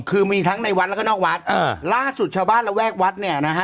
คือมีทั้งในวัดแล้วก็นอกวัดอ่าล่าสุดชาวบ้านระแวกวัดเนี่ยนะฮะ